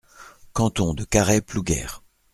Canton de Carhaix-Plouguer.